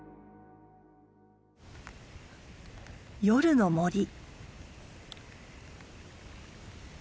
夜の森。